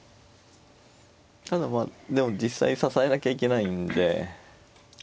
ただまあでも実際に支えなきゃいけないんで。